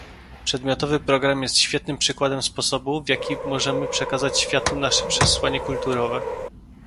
Przedmiotowy program jest świetnym przykładem sposobu, w jaki możemy przekazać światu nasze przesłanie kulturowe